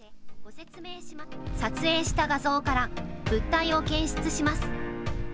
撮影した画像から物体を検出します。